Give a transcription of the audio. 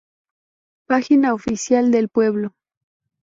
Página oficial del pueblo